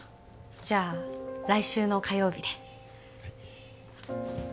じゃあ来週の火曜日ではい